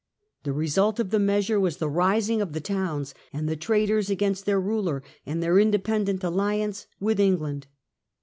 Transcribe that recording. The re sult of the measure was the rising of the towns and the traders against their ruler, and their independent alliance with England.